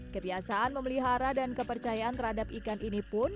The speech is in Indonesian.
kebiasaan memelihara dan kepercayaan terhadap ikan ini pun